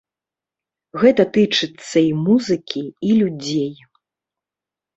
Гэта тычыцца і музыкі, і людзей.